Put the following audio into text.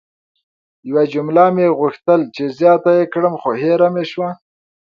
یوه جمله مې غوښتل چې زیاته ېې کړم خو هیره مې سوه!